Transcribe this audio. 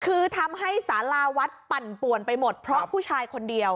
คือทำให้สาราวัดปั่นป่วนไปหมดเพราะผู้ชายคนเดียว